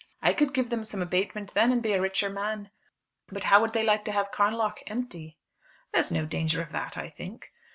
I could give them some abatement then and be a richer man. But how would they like to have Carnlough empty?" "There's no danger of that, I think."